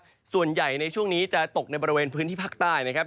ส่วนใหญ่ในช่วงนี้จะตกในบริเวณพื้นที่ภาคใต้นะครับ